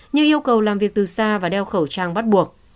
như yêu cầu làm việc từ xa và đeo khẩu trang bắt buộc